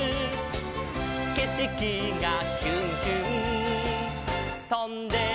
「けしきがヒュンヒュンとんでいく」